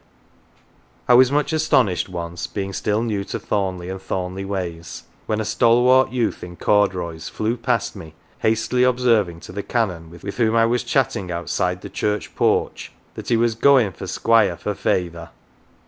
260 MATES I was much astonished once, being still new to Thornleigh and Thornleigh ways, when a stalwart youth in corduroys flew past me, hastily observing to the Canon, with whom I was chatting outside the church porch, that he was " goin for Squire for feyther."